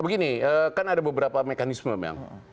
begini kan ada beberapa mekanisme memang